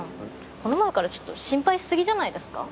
この前からちょっと心配し過ぎじゃないですか？